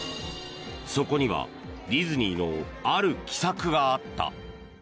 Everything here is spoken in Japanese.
そこにはディズニーのある奇策があった。